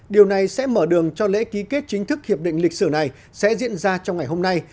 điều này sẽ mở đường cho lễ ký kết chính thức hiệp định lịch sử này sẽ diễn ra trong ngày hôm nay